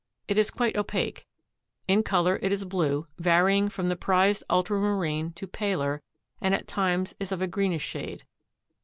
It is quite opaque. In color it is blue, varying from the prized ultramarine to paler, and at times is of a greenish shade.